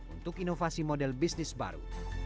untuk inovasi model bisnis baru